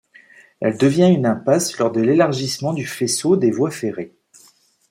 Elle devient une impasse lors de l'élargissement du faisceau des voies ferrées.